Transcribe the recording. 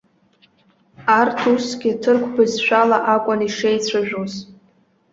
Арҭ усгьы ҭырқә бызшәала акәын ишеицәажәоз.